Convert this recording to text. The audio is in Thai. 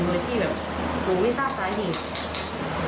โดยที่แบบหนูไม่ทราบสาเหตุ